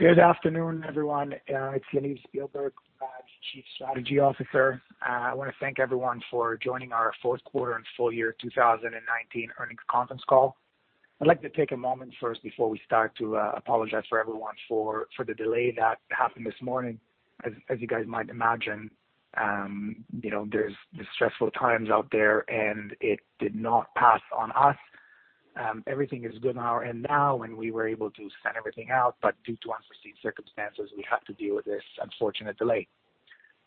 Good afternoon, everyone. It's Yaniv Spielberg, Bragg's Chief Strategy Officer. I want to thank everyone for joining our fourth quarter and full year 2019 earnings conference call. I'd like to take a moment first before we start to apologize to everyone for the delay that happened this morning. As you guys might imagine, there's stressful times out there, and it did not pass on us. Everything is good on our end now, and we were able to send everything out, but due to unforeseen circumstances, we had to deal with this unfortunate delay.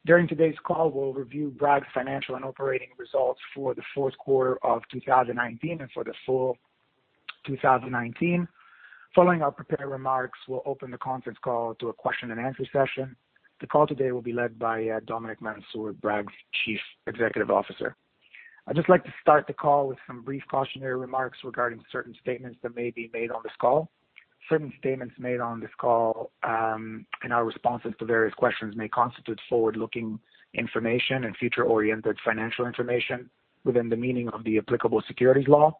During today's call, we'll review Bragg's financial and operating results for the fourth quarter of 2019 and for the full 2019. Following our prepared remarks, we'll open the conference call to a question and answer session. The call today will be led by Dominic Mansour, Bragg's Chief Executive Officer. I'd just like to start the call with some brief cautionary remarks regarding certain statements that may be made on this call. Certain statements made on this call, and our responses to various questions, may constitute forward-looking information and future-oriented financial information within the meaning of the applicable securities law.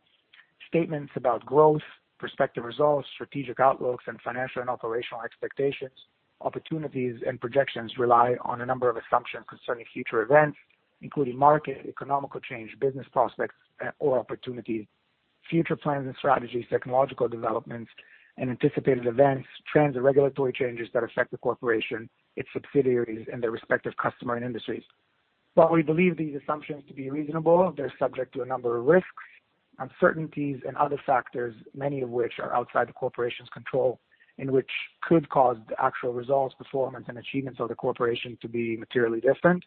Statements about growth, prospective results, strategic outlooks, and financial and operational expectations, opportunities, and projections rely on a number of assumptions concerning future events, including market, economic change, business prospects or opportunities, future plans and strategies, technological developments, and anticipated events, trends, or regulatory changes that affect the corporation, its subsidiaries, and their respective customer and industries. While we believe these assumptions to be reasonable, they're subject to a number of risks, uncertainties, and other factors, many of which are outside the corporation's control and which could cause the actual results, performance, and achievements of the corporation to be materially different.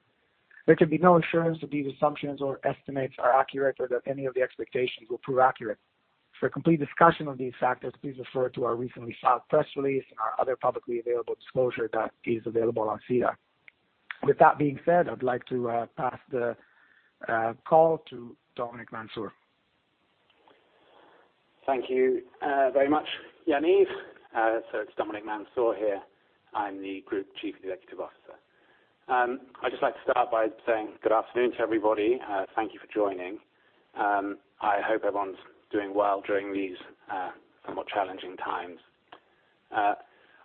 There can be no assurance that these assumptions or estimates are accurate, or that any of the expectations will prove accurate. For a complete discussion of these factors, please refer to our recently filed press release and our other publicly available disclosure that is available on SEDAR. With that being said, I'd like to pass the call to Dominic Mansour. Thank you very much, Yaniv. It's Dominic Mansour here. I'm the Group Chief Executive Officer. I'd just like to start by saying good afternoon to everybody. Thank you for joining. I hope everyone's doing well during these somewhat challenging times.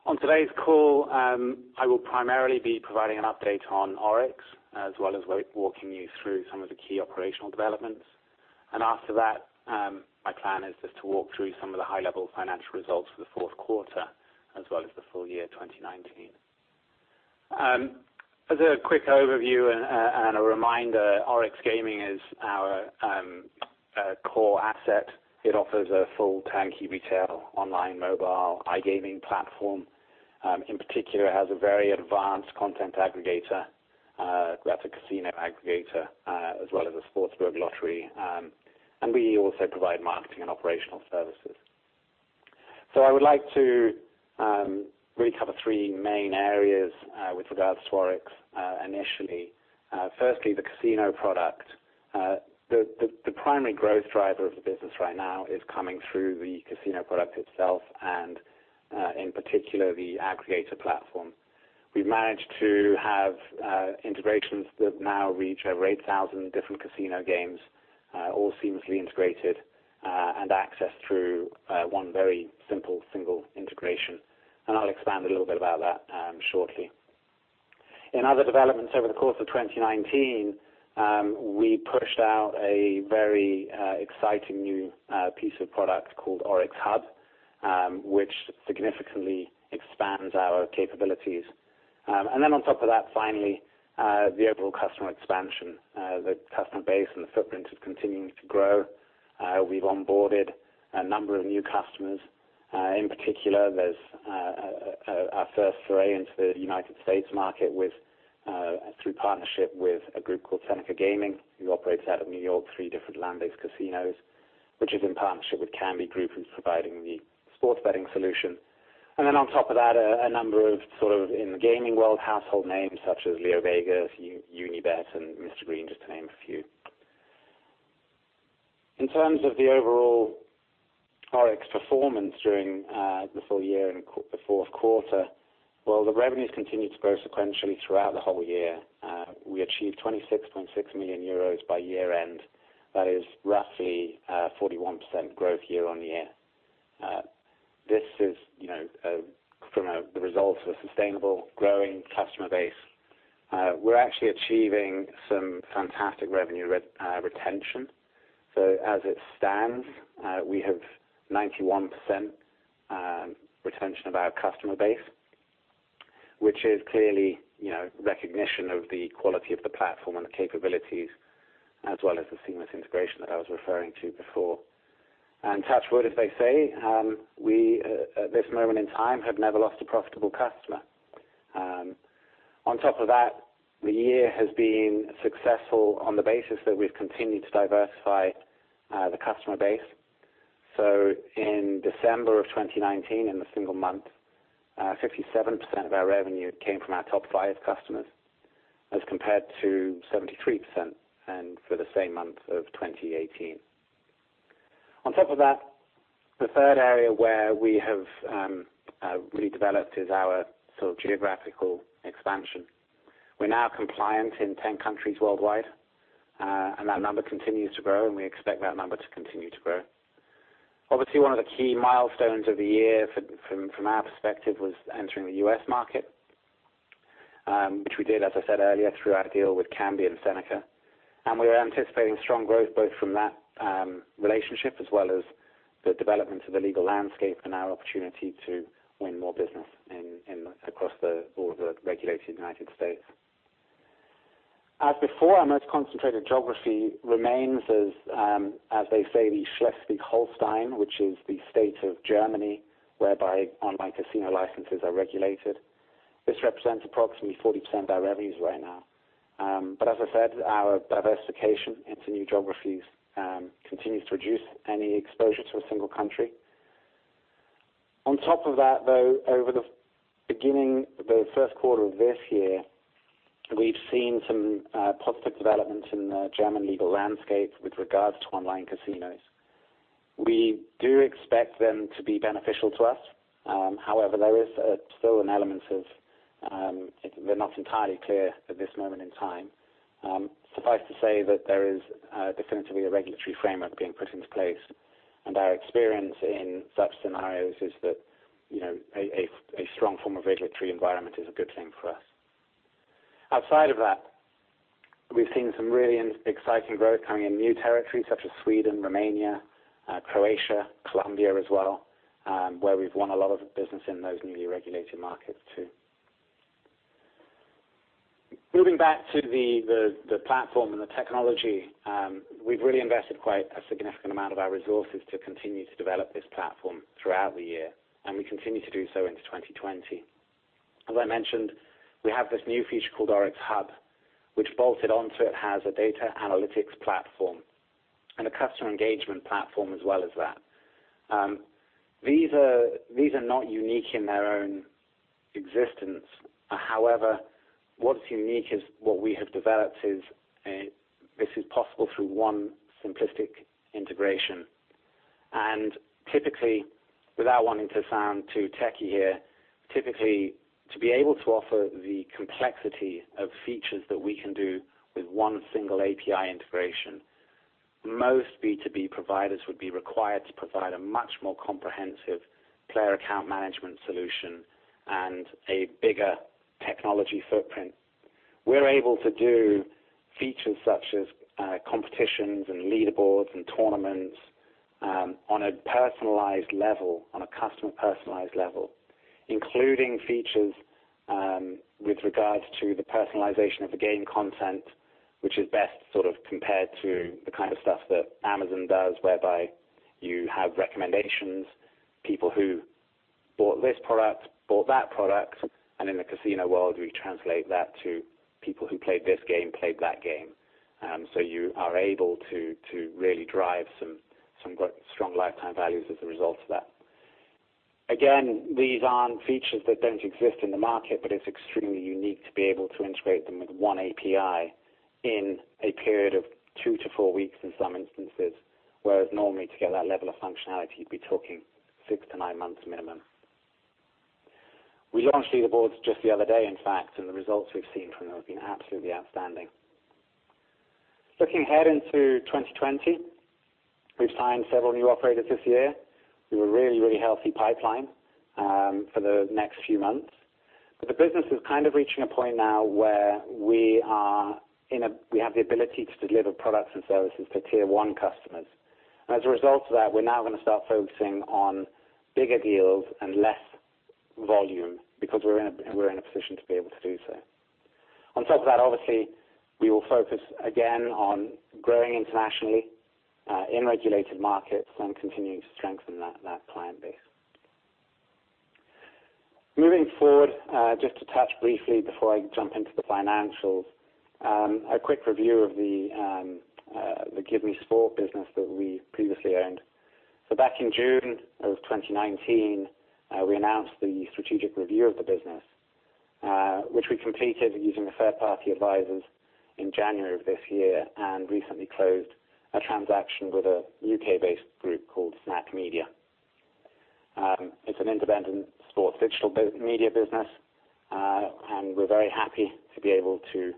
On today's call, I will primarily be providing an update on Oryx, as well as walking you through some of the key operational developments. After that, my plan is just to walk through some of the high-level financial results for the fourth quarter as well as the full year 2019. As a quick overview and a reminder, Oryx Gaming is our core asset. It offers a full turnkey retail online mobile iGaming platform. In particular, it has a very advanced content aggregator. We have a casino aggregator as well as a sportsbook lottery, and we also provide marketing and operational services. I would like to really cover three main areas with regards to Oryx initially. Firstly, the casino product. The primary growth driver of the business right now is coming through the casino product itself and, in particular, the aggregator platform. We've managed to have integrations that now reach over 8,000 different casino games, all seamlessly integrated and accessed through one very simple single integration, and I'll expand a little bit about that shortly. In other developments over the course of 2019, we pushed out a very exciting new piece of product called ORYX Hub, which significantly expands our capabilities. On top of that, finally, the overall customer expansion. The customer base and the footprint is continuing to grow. We've onboarded a number of new customers. In particular, there is our first foray into the U.S. market through partnership with a group called Seneca Gaming, who operates out of N.Y., three different land-based casinos, which is in partnership with Kambi Group, who is providing the sports betting solution. On top of that, a number of, sort of, in the gaming world, household names such as LeoVegas, Unibet, and Mr Green, just to name a few. In terms of the overall Oryx performance during the full year and the fourth quarter, while the revenues continued to grow sequentially throughout the whole year, we achieved 26.6 million euros by year-end. That is roughly a 41% growth year-over-year. This is from the results of a sustainable growing customer base. We are actually achieving some fantastic revenue retention. As it stands, we have 91% retention of our customer base, which is clearly recognition of the quality of the platform and the capabilities as well as the seamless integration that I was referring to before. Touch wood, as they say, we, at this moment in time, have never lost a profitable customer. On top of that, the year has been successful on the basis that we've continued to diversify the customer base. In December of 2019, in a single month, 57% of our revenue came from our top five customers as compared to 73% and for the same month of 2018. On top of that, the third area where we have really developed is our geographical expansion. We're now compliant in 10 countries worldwide, and that number continues to grow, and we expect that number to continue to grow. Obviously, one of the key milestones of the year from our perspective was entering the U.S. market, which we did, as I said earlier, through our deal with Kambi and Seneca. We are anticipating strong growth both from that relationship as well as the development of the legal landscape and our opportunity to win more business across all the regulated United States. As before, our most concentrated geography remains, as they say, the Schleswig-Holstein, which is the state of Germany whereby online casino licenses are regulated. This represents approximately 40% of our revenues right now. As I said, our diversification into new geographies continues to reduce any exposure to a single country. On top of that, though, over the beginning the first quarter of this year, we've seen some positive developments in the German legal landscape with regards to online casinos. We do expect them to be beneficial to us. However, there is still an element of they're not entirely clear at this moment in time. Suffice to say that there is definitively a regulatory framework being put into place, and our experience in such scenarios is that a strong form of regulatory environment is a good thing for us. Outside of that, we've seen some really exciting growth coming in new territories such as Sweden, Romania, Croatia, Colombia as well, where we've won a lot of business in those newly regulated markets too. Moving back to the platform and the technology, we've really invested quite a significant amount of our resources to continue to develop this platform throughout the year, and we continue to do so into 2020. As I mentioned, we have this new feature called ORYX Hub, which bolted onto it has a data analytics platform and a customer engagement platform as well as that. These are not unique in their own existence. However, what is unique is what we have developed is this is possible through one simplistic integration. Typically, without wanting to sound too techy here, typically to be able to offer the complexity of features that we can do with one single API integration, most B2B providers would be required to provide a much more comprehensive player account management solution and a bigger technology footprint. We're able to do features such as competitions and leaderboards and tournaments on a personalized level, on a customer personalized level, including features with regards to the personalization of the game content, which is best sort of compared to the kind of stuff that Amazon does, whereby you have recommendations, people who bought this product, bought that product, and in the casino world, we translate that to people who played this game, played that game. You are able to really drive some strong lifetime values as a result of that. These aren't features that don't exist in the market, but it's extremely unique to be able to integrate them with one API in a period of 2-4 weeks in some instances, whereas normally to get that level of functionality, you'd be talking 6-9 months minimum. We launched leaderboards just the other day, in fact, and the results we've seen from them have been absolutely outstanding. Looking ahead into 2020, we've signed several new operators this year with a really, really healthy pipeline for the next few months. The business is kind of reaching a point now where we have the ability to deliver products and services to tier 1 customers. As a result of that, we're now going to start focusing on bigger deals and less volume because we're in a position to be able to do so. On top of that, obviously, we will focus again on growing internationally in regulated markets and continuing to strengthen that client base. Moving forward, just to touch briefly before I jump into the financials, a quick review of the GiveMeSport business that we previously owned. Back in June of 2019, we announced the strategic review of the business, which we completed using the third-party advisors in January of this year and recently closed a transaction with a U.K.-based group called Snack Media. It's an independent sports digital media business, and we're very happy to be able to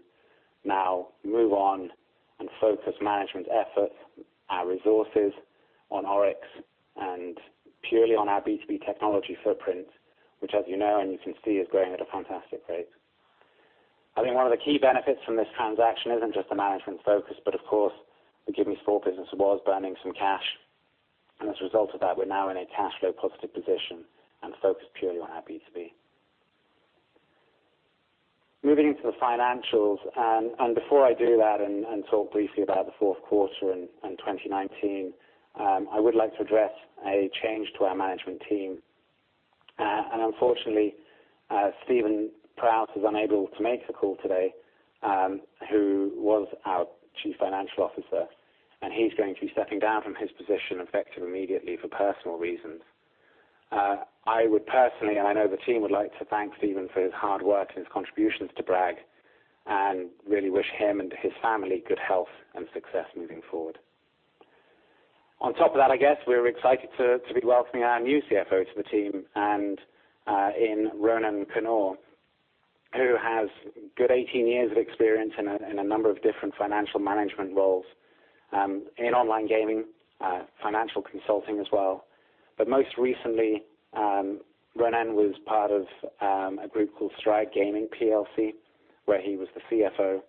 now move on and focus management efforts, our resources on Oryx and purely on our B2B technology footprint, which as you know and you can see, is growing at a fantastic rate. I think one of the key benefits from this transaction isn't just the management focus, but of course, the GiveMeSport business was burning some cash, and as a result of that, we're now in a cash flow positive position and focused purely on our B2B. Moving into the financials, before I do that and talk briefly about the fourth quarter and 2019, I would like to address a change to our management team. Unfortunately, Akshay Kumar was unable to make the call today, who was our Chief Financial Officer, and he's going to be stepping down from his position effective immediately for personal reasons. I would personally, and I know the team would like to thank Akshay for his hard work and his contributions to Bragg and really wish him and his family good health and success moving forward. On top of that, I guess, we are excited to be welcoming our new CFO to the team, in Ronen Kannor, who has a good 18 years of experience in a number of different financial management roles in online gaming, financial consulting as well. Most recently, Ronen was part of a group called Stride Gaming plc, where he was the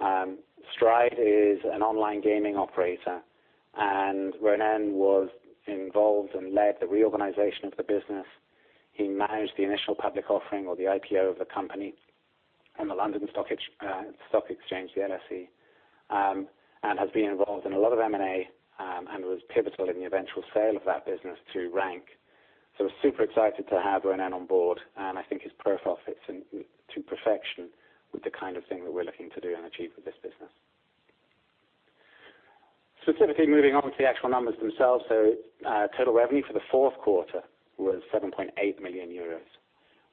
CFO. Stride is an online gaming operator, and Ronen was involved and led the reorganization of the business. He managed the initial public offering or the IPO of the company on the London Stock Exchange, the LSE, and has been involved in a lot of M&A, and was pivotal in the eventual sale of that business to Rank. We're super excited to have Ronen on board, and I think his profile fits to perfection with the kind of thing that we're looking to do and achieve with this business. Specifically, moving on to the actual numbers themselves. Total revenue for the fourth quarter was 7.8 million euros,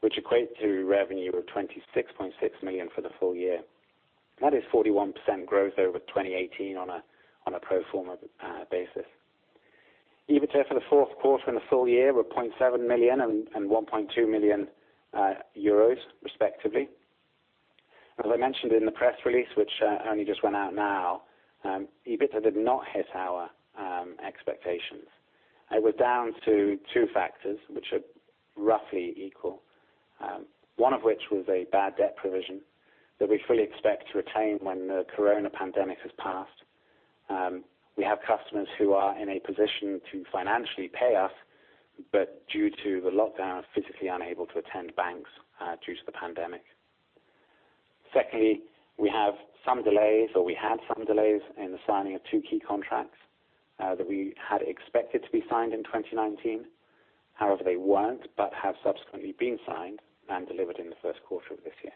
which equates to revenue of 26.6 million for the full year. That is 41% growth over 2018 on a pro forma basis. EBITDA for the fourth quarter and the full year were 0.7 million and 1.2 million euros, respectively. As I mentioned in the press release, which only just went out now, EBITDA did not hit our expectations. It was down to two factors, which are roughly equal. One of which was a bad debt provision that we fully expect to recover when the coronavirus pandemic has passed. We have customers who are in a position to financially pay us, but due to the lockdown, are physically unable to attend banks due to the pandemic. Secondly, we have some delays, or we had some delays in the signing of two key contracts that we had expected to be signed in 2019. They weren't, but have subsequently been signed and delivered in the first quarter of this year.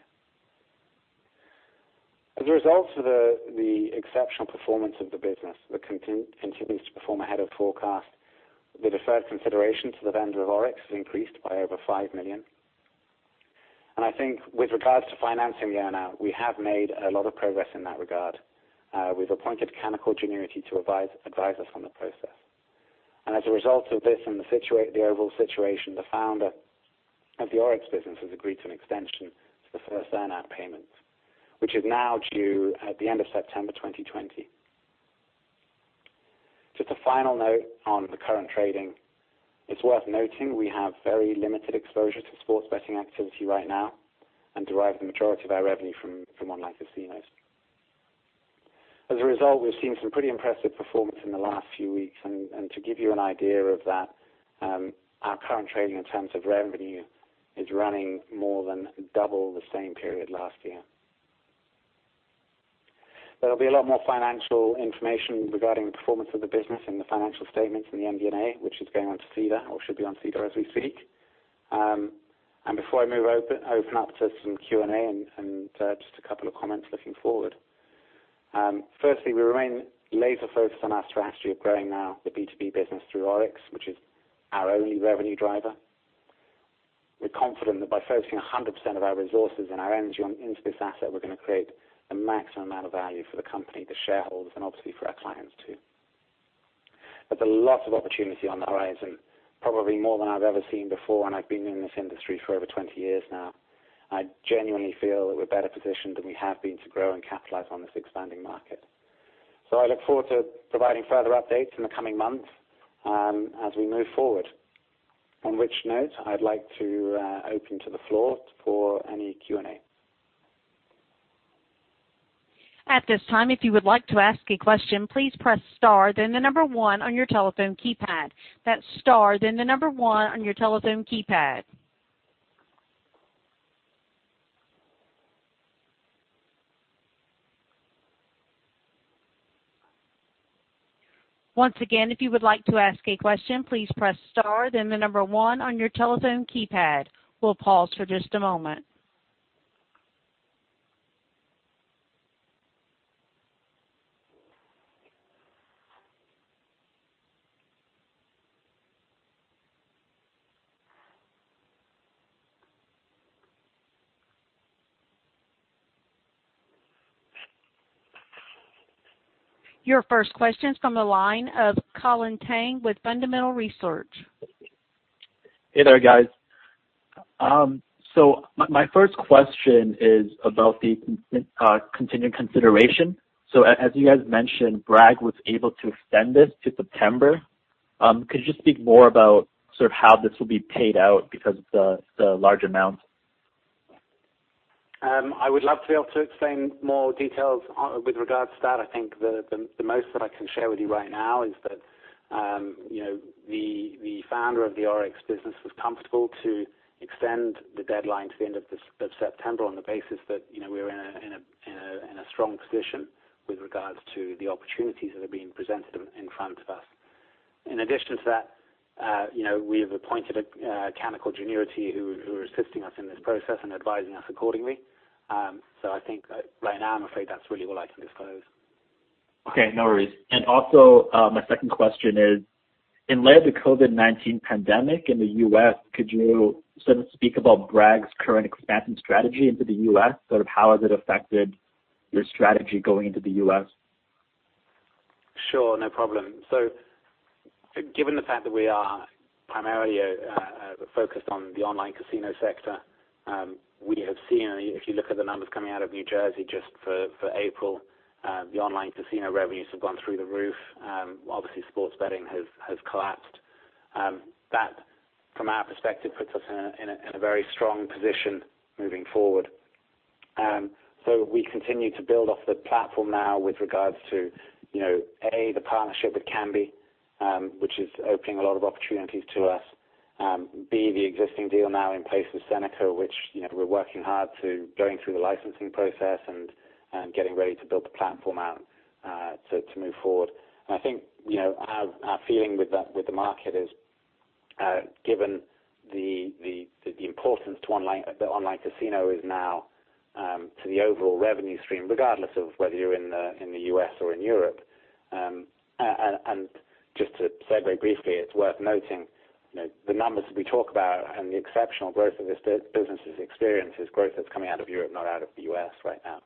As a result of the exceptional performance of the business that continues to perform ahead of forecast, the deferred consideration to the vendor of Oryx has increased by over 5 million. I think with regards to financing the earn-out, we have made a lot of progress in that regard. We've appointed Canaccord Genuity to advise us on the process. As a result of this and the overall situation, the founder of the Oryx business has agreed to an extension to the first earn-out payment, which is now due at the end of September 2020. Just a final note on the current trading. It's worth noting we have very limited exposure to sports betting activity right now and derive the majority of our revenue from online casinos. As a result, we've seen some pretty impressive performance in the last few weeks. To give you an idea of that, our current trading in terms of revenue is running more than double the same period last year. There'll be a lot more financial information regarding the performance of the business in the financial statements in the MD&A, which is going on to SEDAR or should be on SEDAR as we speak. Before I move open up to some Q&A and just a couple of comments looking forward. Firstly, we remain laser-focused on our strategy of growing now the B2B business through Oryx, which is our only revenue driver. We're confident that by focusing 100% of our resources and our energy into this asset, we're going to create the maximum amount of value for the company, the shareholders, and obviously, for our clients, too. There's a lot of opportunity on the horizon, probably more than I've ever seen before, and I've been in this industry for over 20 years now. I genuinely feel that we're better positioned than we have been to grow and capitalize on this expanding market. I look forward to providing further updates in the coming months as we move forward. On which note, I'd like to open to the floor for any Q&A. At this time, if you would like to ask a question, please press star, then the number 1 on your telephone keypad. That's star, then the number 1 on your telephone keypad. Once again, if you would like to ask a question, please press star, then the number 1 on your telephone keypad. We'll pause for just a moment. Your first question is from the line of Colin Tang with Fundamental Research. Hey there, guys. My first question is about the contingent consideration. As you guys mentioned, Bragg was able to extend this to September. Could you just speak more about how this will be paid out because of the large amount? I would love to be able to explain more details with regards to that. I think the most that I can share with you right now is that the founder of the Oryx business was comfortable to extend the deadline to the end of September on the basis that we're in a strong position with regards to the opportunities that are being presented in front of us. In addition to that, we have appointed Canaccord Genuity, who are assisting us in this process and advising us accordingly. I think right now, I'm afraid that's really all I can disclose. Okay, no worries. Also, my second question in light of the COVID-19 pandemic in the U.S., could you speak about Bragg's current expansion strategy into the U.S.? How has it affected your strategy going into the U.S.? Sure, no problem. Given the fact that we are primarily focused on the online casino sector, we have seen, if you look at the numbers coming out of New Jersey just for April, the online casino revenues have gone through the roof. Obviously sports betting has collapsed. That, from our perspective, puts us in a very strong position moving forward. We continue to build off the platform now with regards to, A, the partnership with Kambi, which is opening a lot of opportunities to us. B, the existing deal now in place with Seneca, which we're working hard to going through the licensing process and getting ready to build the platform out to move forward. I think, our feeling with the market is, given the importance to the online casino is now to the overall revenue stream, regardless of whether you're in the U.S. or in Europe. Just to segue briefly, it's worth noting, the numbers that we talk about and the exceptional growth of this business has experienced is growth that's coming out of Europe, not out of the U.S. right now.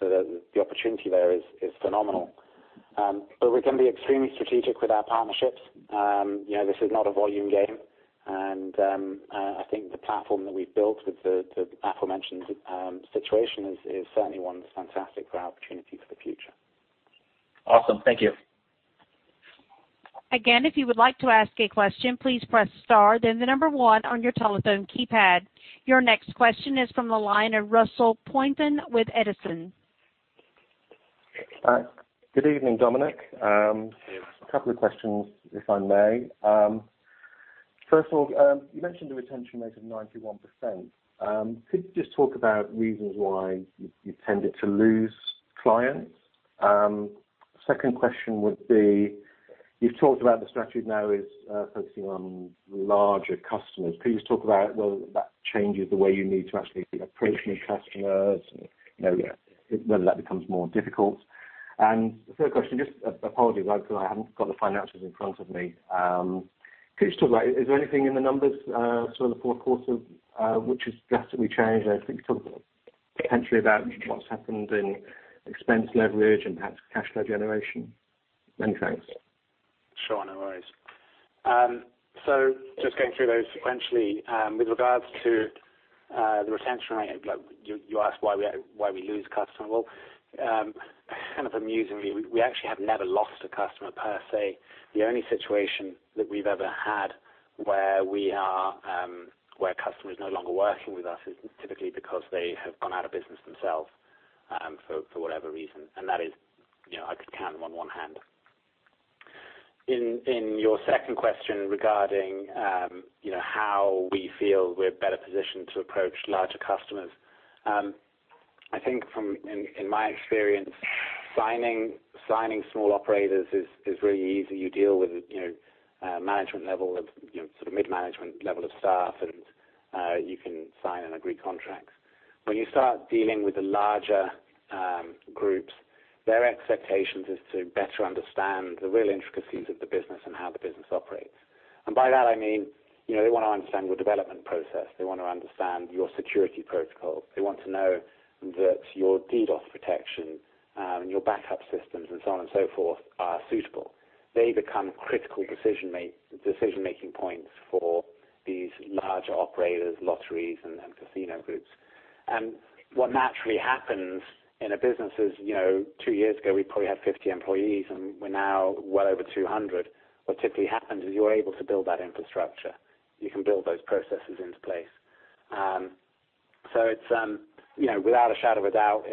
The opportunity there is phenomenal. We can be extremely strategic with our partnerships. This is not a volume game. I think the platform that we've built with the aforementioned situation is certainly one that's fantastic for our opportunity for the future. Awesome. Thank you. Again, if you would like to ask a question, please press star, then the number 1 on your telephone keypad. Your next question is from the line of Russell Pointon with Edison. Hi. Good evening, Dominic. Hey. A couple of questions, if I may. First of all, you mentioned a retention rate of 91%. Could you just talk about reasons why you tended to lose clients? Second question would be, you've talked about the strategy now is focusing on larger customers. Could you just talk about whether that changes the way you need to actually approach new customers, whether that becomes more difficult? The third question, just apologies, I haven't got the financials in front of me. Could you just talk about, is there anything in the numbers for the fourth quarter which has drastically changed? I think you talked potentially about what's happened in expense leverage and perhaps cash flow generation. Many thanks. Sure. No worries. Just going through those sequentially, with regards to the retention rate, you asked why we lose customer. Kind of amusingly, we actually have never lost a customer per se. The only situation that we've ever had where a customer is no longer working with us is typically because they have gone out of business themselves, for whatever reason. That is, I could count them on one hand. In your second question regarding how we feel we're better positioned to approach larger customers. I think in my experience, signing small operators is really easy. You deal with management level of, sort of mid-management level of staff and you can sign and agree contracts. When you start dealing with the larger groups, their expectations is to better understand the real intricacies of the business and how the business operates. By that I mean, they want to understand your development process. They want to understand your security protocol. They want to know that your DDoS protection and your backup systems and so on and so forth are suitable. They become critical decision-making points for these larger operators, lotteries, and casino groups. What naturally happens in a business is, two years ago, we probably had 50 employees and we're now well over 200. What typically happens is you're able to build that infrastructure. You can build those processes into place. Without a shadow of a doubt,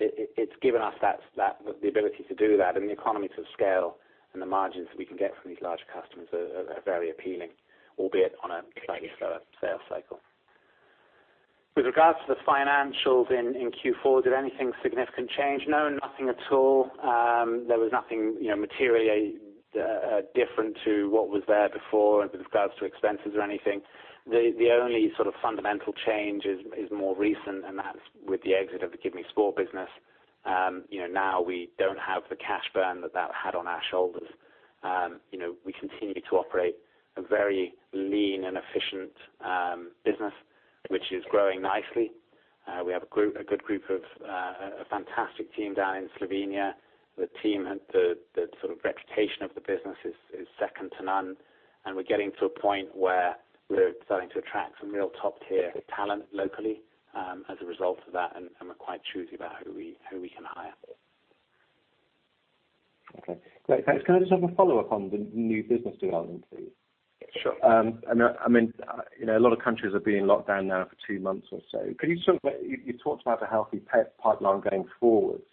it's given us the ability to do that and the economies of scale and the margins that we can get from these larger customers are very appealing, albeit on a slightly slower sales cycle. With regards to the financials in Q4, did anything significant change? No, nothing at all. There was nothing materially different to what was there before with regards to expenses or anything. The only sort of fundamental change is more recent, and that's with the exit of the GiveMeSport business. Now we don't have the cash burn that had on our shoulders. We continue to operate a very lean and efficient business, which is growing nicely. We have a good group of a fantastic team down in Slovenia. The team, the sort of reputation of the business is second to none, and we're getting to a point where we're starting to attract some real top-tier talent locally as a result of that, and we're quite choosy about who we can hire. Okay, great. Thanks. Can I just have a follow-up on the new business development, please? Sure. A lot of countries are being locked down now for 2 months or so. You talked about the healthy pipeline going forwards.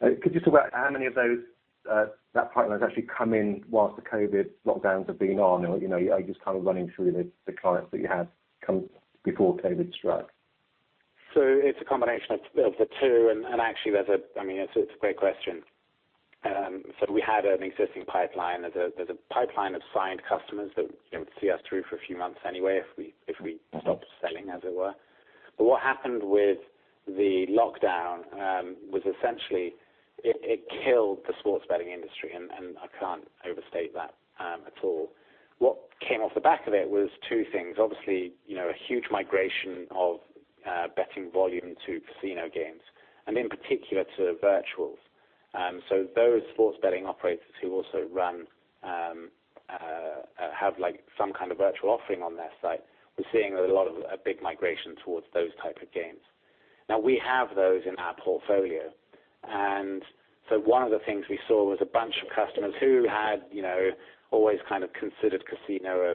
Could you talk about how many of that pipeline has actually come in whilst the COVID lockdowns have been on, or are you just kind of running through the clients that you had come before COVID struck? It's a combination of the two, and actually, it's a great question. We had an existing pipeline. There's a pipeline of signed customers that would see us through for a few months anyway, if we stopped selling, as it were. What happened with the lockdown was essentially it killed the sports betting industry, and I can't overstate that at all. What came off the back of it was two things. Obviously, a huge migration of betting volume to casino games, and in particular, to virtual. Those sports betting operators who also have some kind of virtual offering on their site, we're seeing a big migration towards those type of games. Now we have those in our portfolio. One of the things we saw was a bunch of customers who had always kind of considered casino a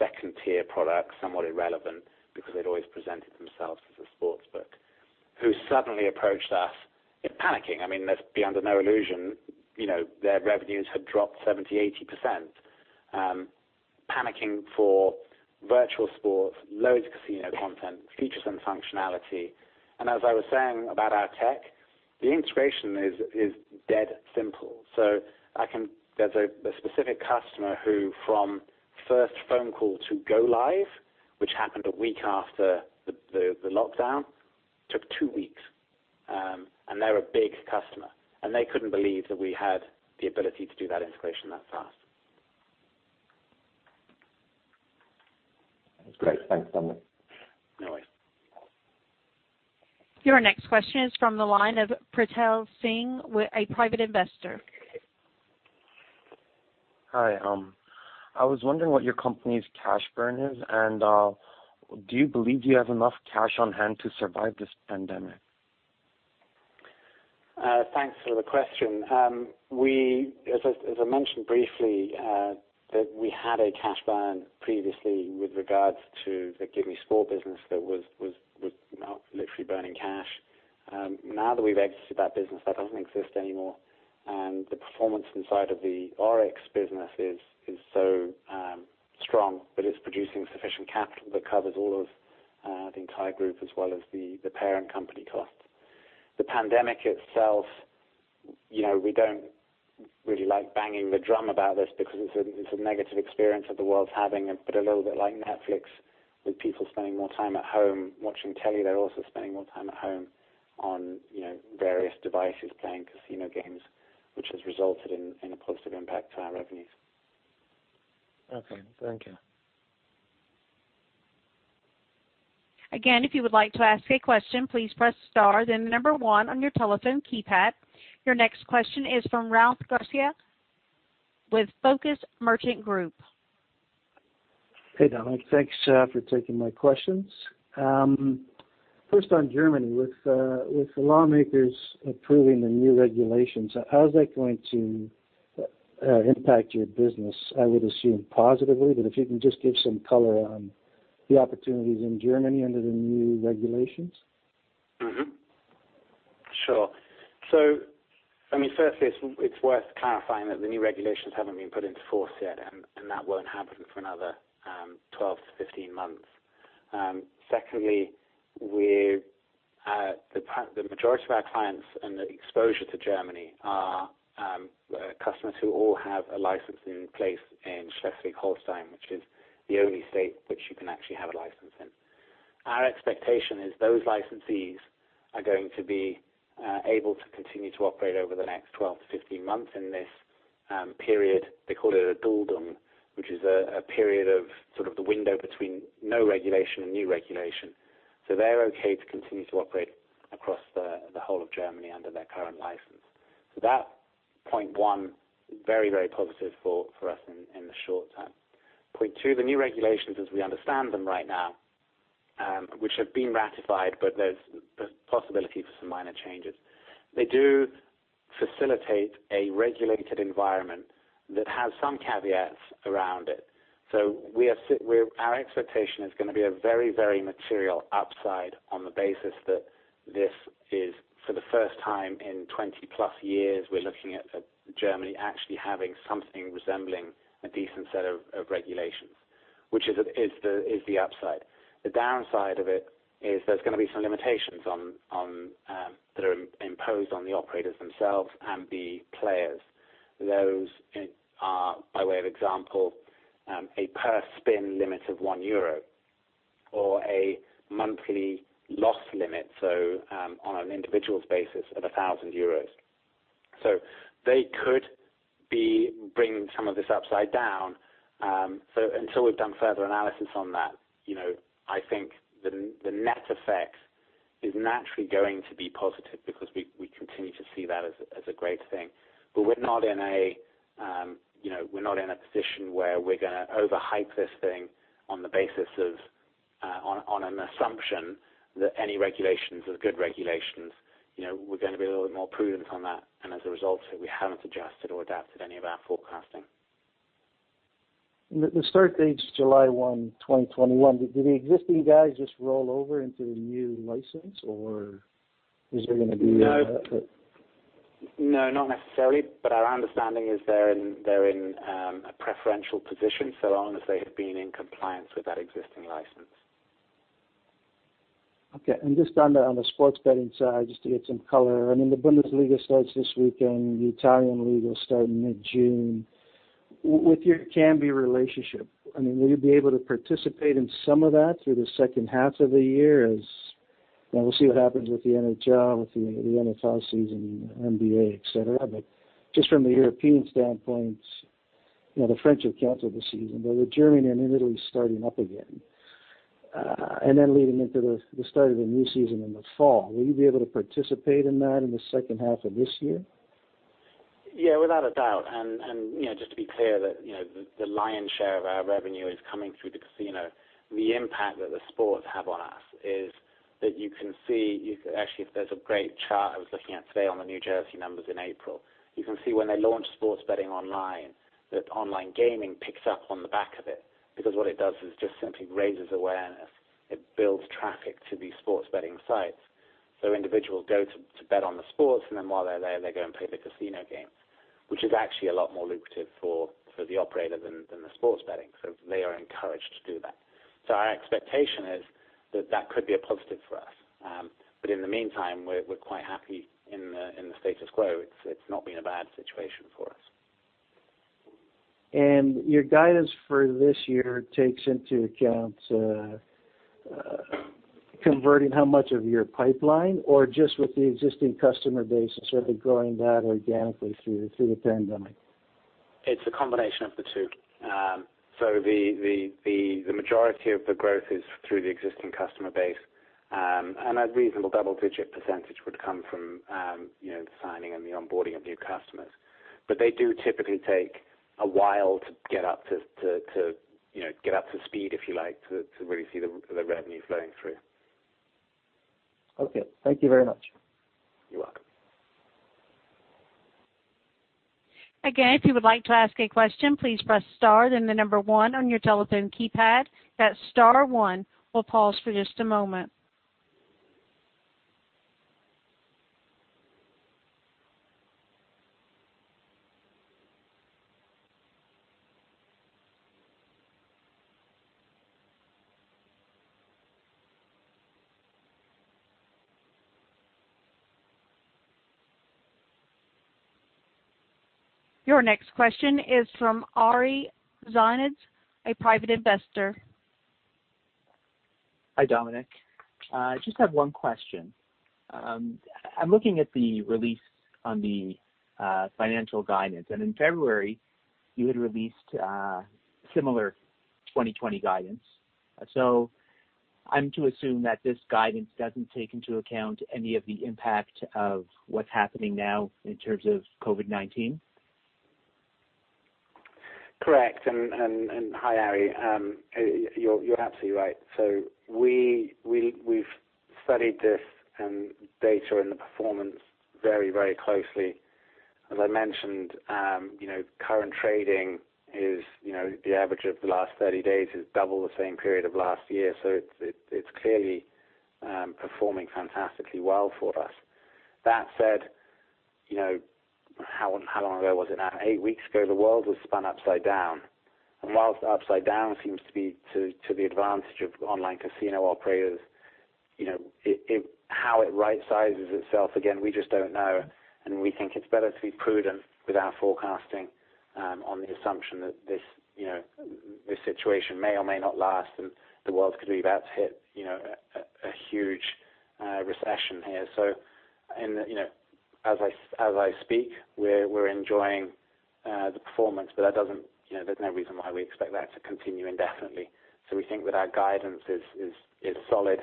2nd-tier product, somewhat irrelevant because they'd always presented themselves as a sportsbook, who suddenly approached us panicking. Let's be under no illusion, their revenues had dropped 70%, 80%. Panicking for virtual sports, loads of casino content, features, and functionality. As I was saying about our tech, the integration is dead simple. There's a specific customer who from first phone call to go live, which happened a week after the lockdown, took two weeks. They're a big customer, and they couldn't believe that we had the ability to do that integration that fast. That's great. Thanks, Dominic. No worries. Your next question is from the line of Pritpal Singh, a private investor. Hi. I was wondering what your company's cash burn is, and do you believe you have enough cash on hand to survive this pandemic? Thanks for the question. As I mentioned briefly, that we had a cash burn previously with regards to the GiveMeSport business that was literally burning cash. Now that we've exited that business, that doesn't exist anymore. The performance inside of the Oryx business is so strong that it's producing sufficient capital that covers all of the entire group as well as the parent company costs. The pandemic itself, we don't really like banging the drum about this because it's a negative experience that the world's having, but a little bit like Netflix with people spending more time at home watching telly, they're also spending more time at home on various devices playing casino games, which has resulted in a positive impact to our revenues. Okay. Thank you. Again, if you would like to ask a question, please press star then number one on your telephone keypad. Your next question is from Ralph Garcia with Focus Merchant Group. Hey, Dominic. Thanks for taking my questions. First on Germany, with the lawmakers approving the new regulations, how is that going to impact your business? I would assume positively, if you can just give some color on the opportunities in Germany under the new regulations. Firstly, it's worth clarifying that the new regulations haven't been put into force yet, and that won't happen for another 12 to 15 months. Secondly, the majority of our clients and the exposure to Germany are customers who all have a license in place in Schleswig-Holstein, which is the only state which you can actually have a license in. Our expectation is those licensees are going to be able to continue to operate over the next 12 to 15 months in this period, they call it a Duldung, which is a period of sort of the window between no regulation and new regulation. They're okay to continue to operate across the whole of Germany under their current license. That point one, very positive for us in the short term. Point two, the new regulations, as we understand them right now, which have been ratified, but there's possibility for some minor changes. They do facilitate a regulated environment that has some caveats around it. Our expectation is going to be a very material upside on the basis that this is for the first time in 20 plus years, we're looking at Germany actually having something resembling a decent set of regulations, which is the upside. The downside of it is there's going to be some limitations that are imposed on the operators themselves and the players. Those are, by way of example, a per spin limit of 1 euro or a monthly loss limit, so on an individual basis of 1,000 euros. They could be bringing some of this upside down. Until we've done further analysis on that, I think the net effect is naturally going to be positive because we continue to see that as a great thing. We're not in a position where we're going to overhype this thing on an assumption that any regulations is good regulations. We're going to be a little bit more prudent on that, and as a result of it, we haven't adjusted or adapted any of our forecasting. The start date is July 1, 2021. Do the existing guys just roll over into the new license, or is there going to be? No, not necessarily, our understanding is they're in a preferential position so long as they have been in compliance with that existing license. Okay. Just on the sports betting side, just to get some color. I mean, the Bundesliga starts this weekend, the Italian League will start mid-June. With your Kambi relationship, will you be able to participate in some of that through the second half of the year, we'll see what happens with the NHL, with the NFL season, NBA, et cetera. Just from the European standpoint, the French have canceled the season, but with Germany and Italy starting up again, and then leading into the start of the new season in the fall, will you be able to participate in that in the second half of this year? Without a doubt. Just to be clear that the lion's share of our revenue is coming through the casino, the impact that the sports have on us is that you can see, actually, there's a great chart I was looking at today on the New Jersey numbers in April. You can see when they launch sports betting online, that online gaming picks up on the back of it, because what it does is just simply raises awareness. It builds traffic to these sports betting sites. Individuals go to bet on the sports, and then while they're there, they go and play the casino games, which is actually a lot more lucrative for the operator than the sports betting. They are encouraged to do that. Our expectation is that that could be a positive for us. In the meantime, we're quite happy in the status quo. It's not been a bad situation for us. Your guidance for this year takes into account converting how much of your pipeline, or just with the existing customer base and sort of growing that organically through the pandemic? It's a combination of the two. The majority of the growth is through the existing customer base. A reasonable double-digit percentage would come from the signing and the onboarding of new customers. They do typically take a while to get up to speed, if you like, to really see the revenue flowing through. Okay. Thank you very much. You're welcome. Again, if you would like to ask a question, please press star, then the number one on your telephone keypad. That's star one. We'll pause for just a moment. Your next question is from Ari Zanitz, a private investor. Hi, Dominic. I just have one question. I'm looking at the release on the financial guidance, and in February, you had released similar 2020 guidance. I'm to assume that this guidance doesn't take into account any of the impact of what's happening now in terms of COVID-19? Correct. Hi, Ari. We've studied this data and the performance very closely. As I mentioned, current trading is the average of the last 30 days is double the same period of last year. It's clearly performing fantastically well for us. That said, how long ago was it now? Eight weeks ago, the world was spun upside down. Whilst upside down seems to be to the advantage of online casino operators, how it right sizes itself again, we just don't know, and we think it's better to be prudent with our forecasting on the assumption that this situation may or may not last and the world could be about to hit a huge recession here. As I speak, we're enjoying the performance, but there's no reason why we expect that to continue indefinitely. We think that our guidance is solid.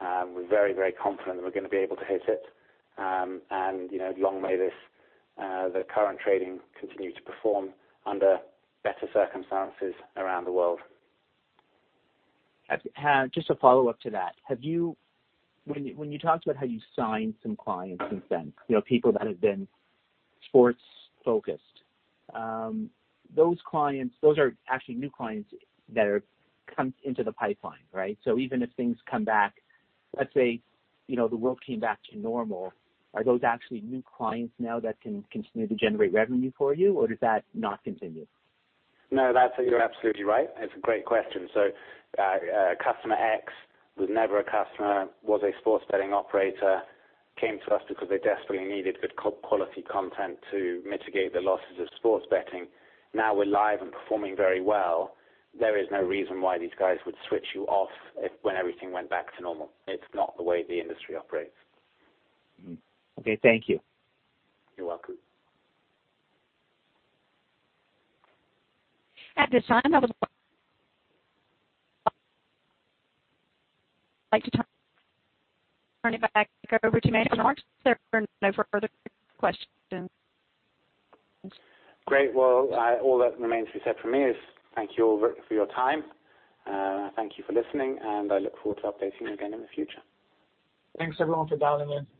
We're very confident we're going to be able to hit it, and long may the current trading continue to perform under better circumstances around the world. Just a follow-up to that. When you talked about how you signed some clients since then, people that have been sports focused. Those are actually new clients that come into the pipeline, right? Even if things come back, let's say the world came back to normal, are those actually new clients now that can continue to generate revenue for you, or does that not continue? No, you're absolutely right. It's a great question. Customer X was never a customer, was a sports betting operator, came to us because they desperately needed good quality content to mitigate the losses of sports betting. Now we're live and performing very well. There is no reason why these guys would switch you off when everything went back to normal. It's not the way the industry operates. Okay. Thank you. You're welcome. At this time, I would like to turn it back over to management. There are no further questions. Great. Well, all that remains to be said from me is thank you all for your time. Thank you for listening, and I look forward to updating you again in the future. Thanks, everyone, for dialing in.